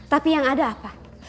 tapi yang ada apa